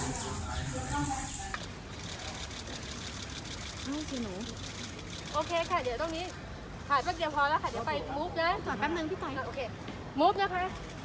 โอเคค่ะเดี๋ยวตรงนี้ถ่ายแป๊บเดียวพอแล้วค่ะเดี๋ยวไปโมฟนะส่วนแป๊บหนึ่งพี่ใจโอเคโมฟนะค่ะ